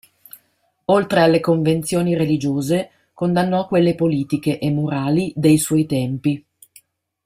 Oltre alle convenzioni religiose condannò quelle politiche e morali dei suoi tempi.